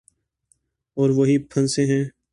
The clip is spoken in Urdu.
اوروہیں پھنسے ہیں۔